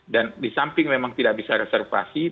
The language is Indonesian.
dan di samping memang tidak bisa reservasi